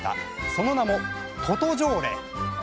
その名も「とと条例」！